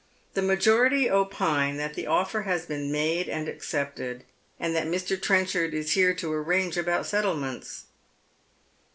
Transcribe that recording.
The majority opine that tho ofl'er has been made and accepted, Sind that Mj. Trenchard is here to aiTange about settlements.